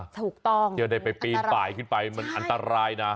ถูกต้องเที่ยวได้ไปปีนป่ายขึ้นไปมันอันตรายนะ